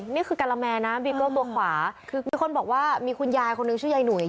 นี่คือการาแมนะบีเกิ้ลตัวขวาคือมีคนบอกว่ามีคุณยายคนหนึ่งชื่อยายหนุ่ย